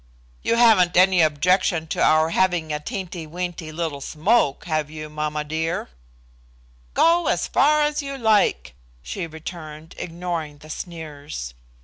You haven't any objection to our having a teenty weenty little smoke, have you, mamma dear?" "Go as far as you like," she returned, ignoring the sneers.